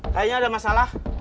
kayaknya ada masalah